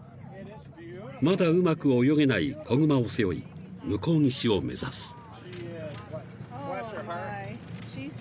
［まだうまく泳げない子熊を背負い向こう岸を目指す］